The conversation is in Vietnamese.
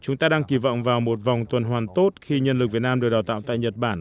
chúng ta đang kỳ vọng vào một vòng tuần hoàn tốt khi nhân lực việt nam được đào tạo tại nhật bản